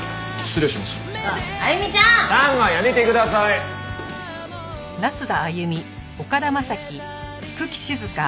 失礼致します。